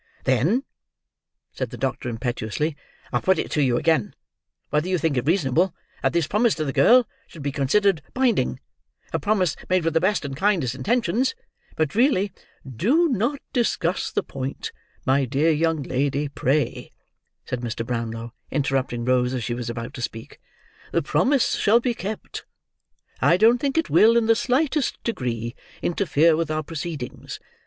"Then," said the doctor impetuously, "I put it to you again, whether you think it reasonable that this promise to the girl should be considered binding; a promise made with the best and kindest intentions, but really—" "Do not discuss the point, my dear young lady, pray," said Mr. Brownlow, interrupting Rose as she was about to speak. "The promise shall be kept. I don't think it will, in the slightest degree, interfere with our proceedings.